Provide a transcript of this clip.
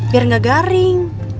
biar gak garing